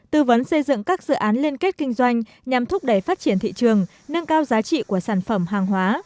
tư vấn xây dựng các dự án liên kết kinh doanh nhằm thúc đẩy phát triển thị trường nâng cao giá trị của sản phẩm hàng hóa